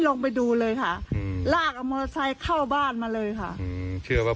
ลงไปดูเลยค่ะอืมลากเอามอเตอร์ไซค์เข้าบ้านมาเลยค่ะอืมเชื่อว่า